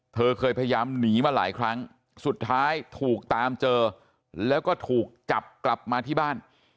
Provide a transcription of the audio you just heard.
เธอเคยพยายามหนีมาหลายครั้งสุดท้ายถูกตามเจอแล้วก็ถูกจับกลับมาที่บ้าน